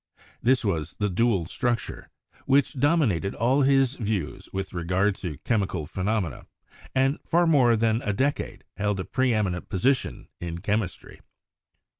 This was the dual structure, which dominated all of his views with regard to chemical phe nomena, and for more than a decade held a preeminent position in chemistry.